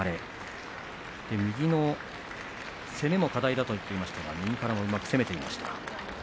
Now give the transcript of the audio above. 右の攻めも課題だと言っていましたが右からもうまく攻めてきました。